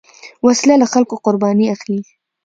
وسله له خلکو قرباني اخلي